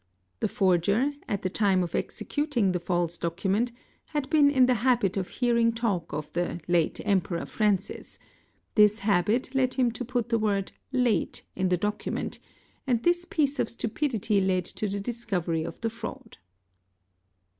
The forger, at the time of executing the false document, had been in the habit of hearing talk of the "late Kmperor Francis"', this habit led him to put the word "late"? in the document, and this piece of stupidity led to the discovery of the fraud.